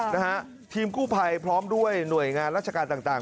นะฮะทีมกู้ภัยพร้อมด้วยหน่วยงานราชการต่างต่าง